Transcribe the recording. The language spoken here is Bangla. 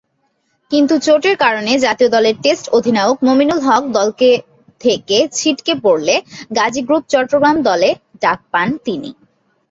কিন্তু চোটের কারণে জাতীয় দলের টেস্ট অধিনায়ক মমিনুল হক দলকে থেকে ছিটকে পড়লে, গাজী গ্রুপ চট্টগ্রাম দলে ডাক পান তিনি।